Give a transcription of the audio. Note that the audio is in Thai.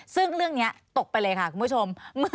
ซึ่งเรื่องนี้ตกไปเลยค่ะคุณผู้ชม